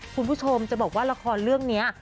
คุณผู้ชมจะบอกว่าละครเรื่องนี้